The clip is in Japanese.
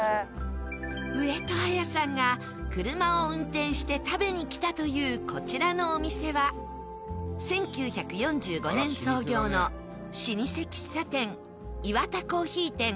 上戸彩さんが車を運転して食べに来たというこちらのお店は１９４５年創業の老舗喫茶店イワタコーヒー店。